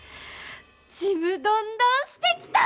ちむどんどんしてきた！